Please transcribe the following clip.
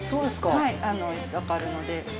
はいわかるので。